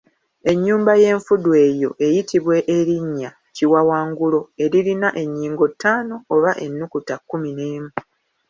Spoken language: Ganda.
Ennyumba y’enfudu eyo eyitibwa erinnya Kiwawangulo eririna ennyingo ttaano oba ennukuta kkumi n’emu.